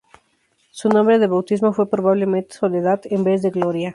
Su nombre de bautismo fue probablemente "Soledad" en vez de Gloria.